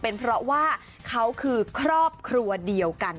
เป็นเพราะว่าเขาคือครอบครัวเดียวกัน